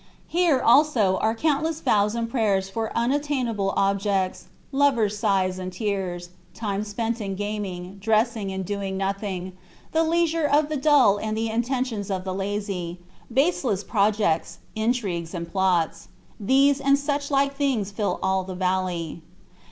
Here, also, are countless vows and prayers for unattainable objects, lovers' sighs and tears, time spent in gaming, dressing, and doing nothing, the leisure of the dull and the intentions of the lazy, baseless projects, intrigues, and plots; these and such like things fill all the valley.